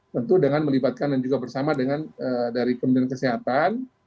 tentu dengan melibatkan dan juga bersama dengan dari kementerian kesehatan